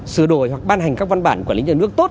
sửa đổi hoặc ban hành các văn bản quản lý nhà nước tốt